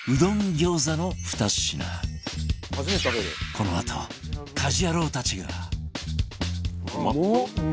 このあと家事ヤロウたちが